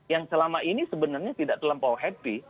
yang selama ini sebenarnya tidak terlampau happy